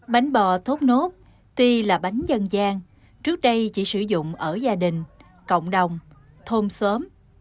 bánh bò thốt nốt tuy là bánh dân gian trước đây chỉ sử dụng ở gia đình cộng đồng thôn xóm